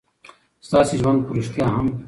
ستاسې ژوند په رښتيا هم